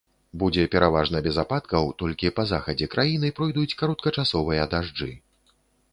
Будзе пераважна без ападкаў, толькі па захадзе краіны пройдуць кароткачасовыя дажджы.